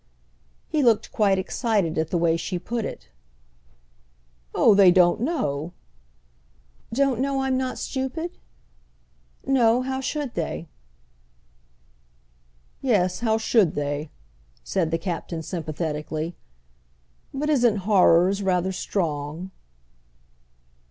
He looked quite excited at the way she put it. "Oh they don't know!" "Don't know I'm not stupid? No, how should they?" "Yes, how should they?" said the Captain sympathetically. "But isn't 'horrors' rather strong?"